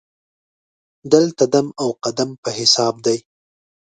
دلته دم او قدم په حساب دی.